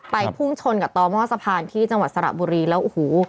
ไปพุ่งชนกับตอม่อสะพานที่จังหวัดสระบุรีแล้ว